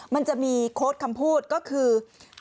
มันจะมีโค้ดคำพูดก็คือ